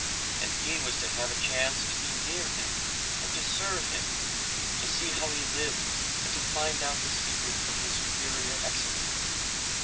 And he was to have a chance to be near him, and to serve him to see how he lived, and to find out the secret of his superior excellence.